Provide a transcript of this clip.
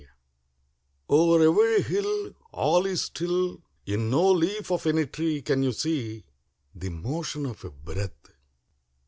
I Over every hill All is still ; In no leaf of any tree Can you see The motion of a breath.